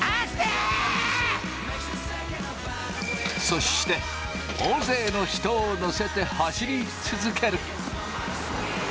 そして大勢の人を乗せて走り続ける。